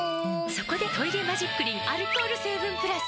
そこで「トイレマジックリン」アルコール成分プラス！